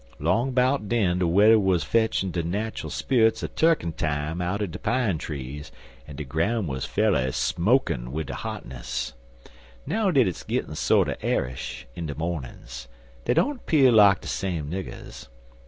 'Long 'bout den de wedder wuz fetchin' de nat'al sperrits er turkentime outen de pine trees an' de groun' wuz fa'rly smokin' wid de hotness. Now that it's gittin' sorter airish in de mornin's, dey don't 'pear like de same niggers.